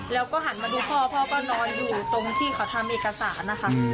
แล้วก็หันมาดูพ่อพ่อก็นอนอยู่ตรงที่เขาทำเอกสารนะคะ